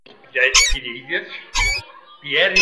Qui eren les Pièrides?